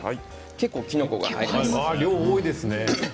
結構きのこが入ります。